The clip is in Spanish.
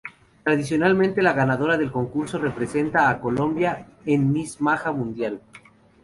Tradicionalmente la ganadora del concurso representa a Colombia en Miss Maja Mundial.